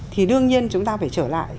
thì đương nhiên chúng ta phải trở lại